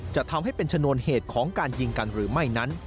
จะทำให้เป็นชนวนเหตุของการยิงกันหรือไม่นั้น